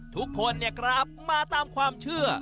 ทุกคนเนี่ยครับมาตามความเชื่อ